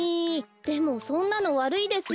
でもそんなのわるいですよ。